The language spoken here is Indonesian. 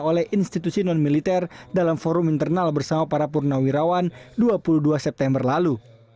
oleh institusi non militer dalam forum internal bersama para purnawirawan dua puluh dua september lalu